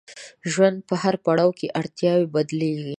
د ژوند په هر پړاو کې اړتیاوې بدلیږي.